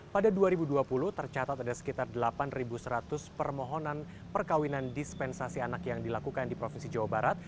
pada dua ribu dua puluh tercatat ada sekitar delapan seratus permohonan perkawinan dispensasi anak yang dilakukan di provinsi jawa barat